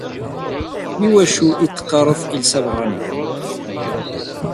I wacu ay teqqareḍ iles abeṛṛani?